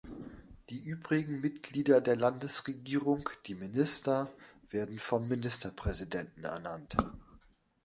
Die übrigen Mitglieder der Landesregierung, die Minister, werden vom Ministerpräsidenten ernannt.